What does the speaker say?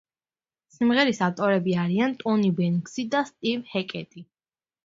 სიმღერის ავტორები არიან ტონი ბენქსი და სტივ ჰეკეტი.